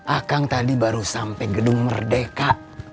akang tadi baru sampai gedung merdeka